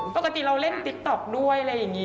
ปกติเราเล่นติ๊กต็อกด้วย